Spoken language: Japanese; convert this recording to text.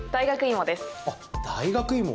あ、大学芋。